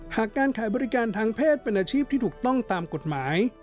การขายบริการทางเพศเป็นอาชีพที่ถูกต้องตามกฎหมาย